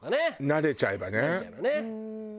慣れちゃえばね。